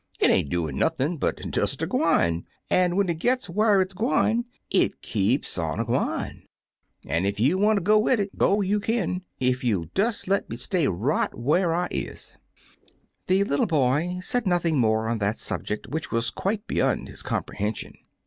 "It ain't doin' nothin' but des a gwine, an' when it gits whar it's gwine, it keeps on a gwine; an' ef you 83 Uncle Remus Returns wanter go wid it, go you kin, ef you '11 des le' me stay right whar I is." The little boy said nothing more on that subject, which was quite beyond his com prehension.